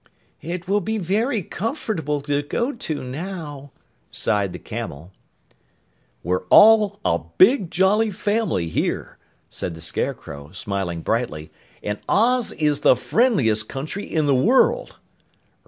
"It will be very comfortable to go to now," sighed the camel. "We're all a big, jolly family here," said the Scarecrow, smiling brightly, "and Oz is the friendliest country in the world."